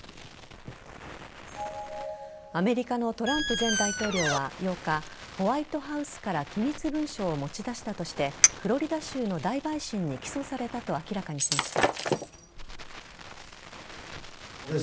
アメリカのトランプ前大統領は８日ホワイトハウスから機密文書を持ち出したとしてフロリダ州の大陪審に起訴されたと明らかにしました。